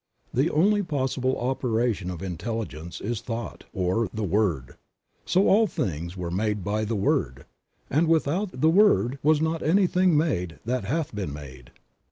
The only possible operation of intelligence is thought, or "The Word." So all things were made by the Word, and "Without the Word was not anything made that hath been made."